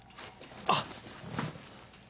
あっ。